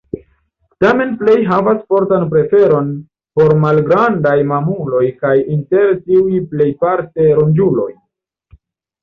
Tamen plej havas fortan preferon por malgrandaj mamuloj kaj inter tiuj plejparte ronĝuloj.